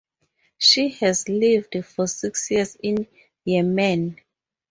She has lived for six years in Yemen.